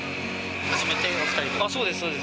初めてを２人で？